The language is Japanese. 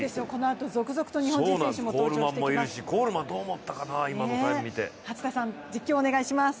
続々と日本人選手も登場してきます。